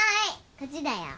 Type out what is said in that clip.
こっちだよ。